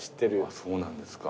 そうなんですか。